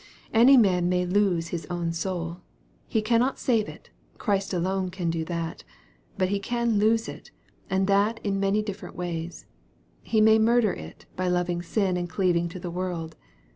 Any man may lose his own soul. He cannot save it : Christ alone can do that. But he can lose it, and that in many different ways. He may murder it, by loving sin and cleaving to the world.